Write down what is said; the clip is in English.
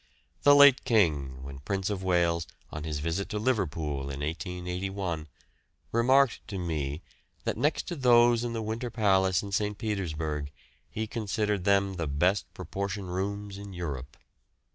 The late King, when Prince of Wales, on his visit to Liverpool in 1881, remarked to me that next to those in the Winter Palace in St. Petersburg he considered them the best proportioned rooms in Europe.